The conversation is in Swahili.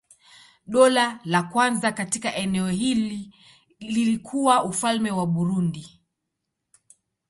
Dola la kwanza katika eneo hili lilikuwa Ufalme wa Burundi.